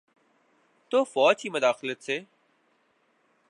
تو فوج کی مداخلت سے۔